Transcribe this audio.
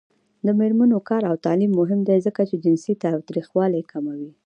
د میرمنو کار او تعلیم مهم دی ځکه چې جنسي تاوتریخوالی کموي.